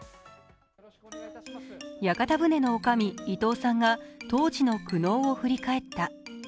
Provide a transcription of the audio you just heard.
屋形船の女将、伊東さんが当時の苦悩を振り返った。